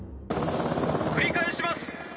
繰り返します！